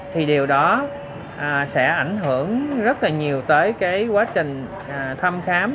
thì điều đó sẽ ảnh hưởng rất là nhiều tới cái quá trình thăm khám